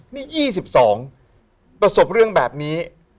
นี่๒๒ประสบเรื่องแบบนี้